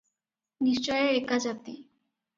ନିଶ୍ଚୟ ଏକା ଜାତି ।